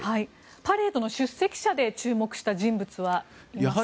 パレードの出席者で注目した人物はいますか。